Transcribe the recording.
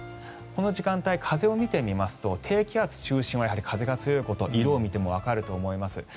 この時間帯、風を見てみますと低気圧の中心は風が強いこと色を見てもわかると思います。